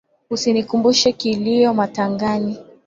Usinikumbushe kilio matangani